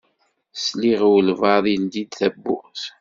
Sliɣ i walbaɛḍ yeldi-d tawwurt.